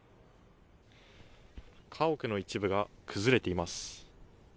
家屋の一部が崩れています。